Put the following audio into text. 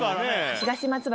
東松原！